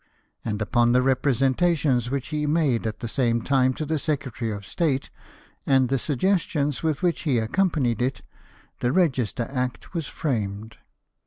And upon the repre sentations which he made at the same time to the Secretary of State, and the suggestions with which he accompanied it, the Register Act was framed.